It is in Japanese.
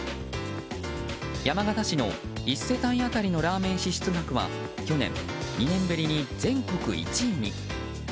山県市の１世帯当たりのラーメン支出額は去年、２年ぶりに全国１位に。